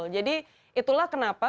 jadi itulah kenapa